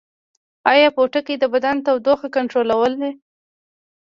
ایا پوټکی د بدن تودوخه کنټرولوي؟